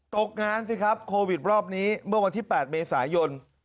ตกงานสิครับโควิดรอบนี้เมื่อวันที่๘เมษายน